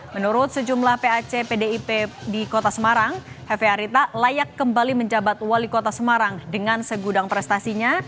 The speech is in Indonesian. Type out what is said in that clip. menurut sejumlah pac pdip di kota semarang hefe arita layak kembali menjabat wali kota semarang dengan segudang prestasinya